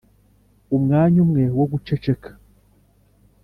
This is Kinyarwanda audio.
umwanya umwe wo guceceka,